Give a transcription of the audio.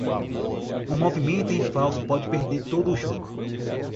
Um movimento em falso pode perder todo o jogo.